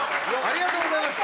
ありがとうございます！